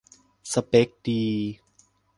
สเป็กดี